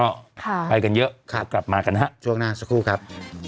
ไปกันเยอะกลับมากันฮะช่วงหน้าสักครู่ครับ